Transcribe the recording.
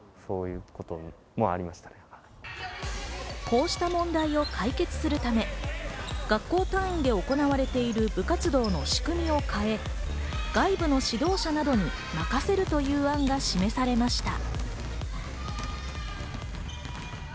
こうした問題を解決するため、学校単位で行われている部活動の仕組みを変え、外部の指導者などに任せるという案が示されました。